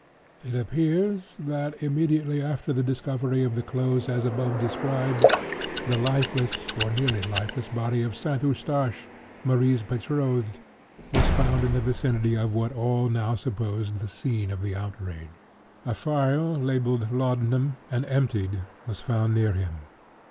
It appears that, immediately after the discovery of the clothes as above described, the lifeless, or nearly lifeless body of St. Eustache, Marie's betrothed, was found in the vicinity of what all now supposed the scene of the outrage. A phial labelled "laudanum," and emptied, was found near him.